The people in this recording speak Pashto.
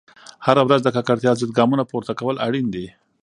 هره ورځ د ککړتیا ضد ګامونه پورته کول اړین دي.